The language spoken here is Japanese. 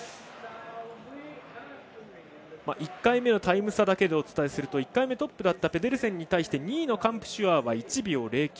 １回目のタイム差だけでお伝えすると１回目、トップだったペデルセンに対して２位のカンプシュアーは１秒０９。